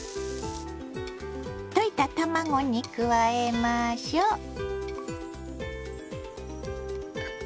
溶いた卵に加えましょう。